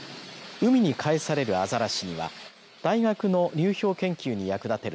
海に帰されるアザラシには大学の流氷研究に役立てる